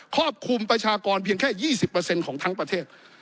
ครอบคลุมประชากรเพียงแค่๒๐ของทั้งประเทศ